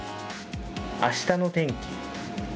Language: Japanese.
あしたの天気。